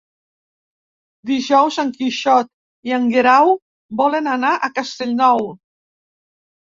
Dijous en Quixot i en Guerau volen anar a Castellnou.